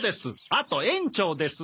あと園長です！